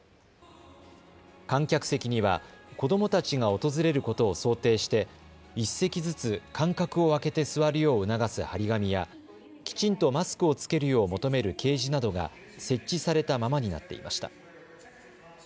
観客席には子どもたちが訪れることを想定して１席ずつ間隔を空けて座るよう促す張り紙やきちんとマスクを着けるよう求める掲示などが設置されたままになっていました。